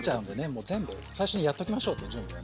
もう全部最初にやっときましょうと準備を。